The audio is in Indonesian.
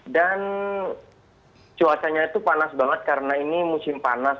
dan cuacanya itu panas banget karena ini musim panas